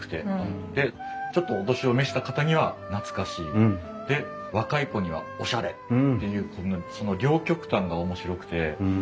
でちょっとお年を召した方には懐かしいで若い子にはおしゃれっていうその両極端が面白くて。